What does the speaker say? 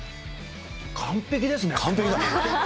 完璧ですね。